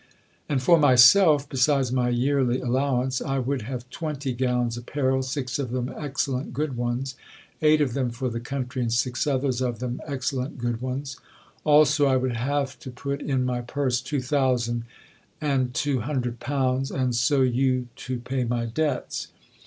"And for myself, besides my yerely allowance, I would have twenty gowns apparel, six of them excellent good ones, eight of them for the country, and six others of them excellent good ones. Also, I would have to put in my purse two thousand and two hundred pounds, and so you to pay my debts.